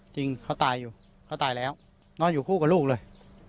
จริงเขาตายอยู่เขาตายแล้วนอนอยู่คู่กับลูกเลย